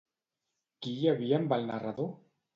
Qui hi havia amb el narrador?